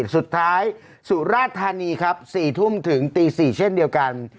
สุดท้ายสุราธานีครับ๔ทุ่มถึงตี๔เช่นเดียวกัน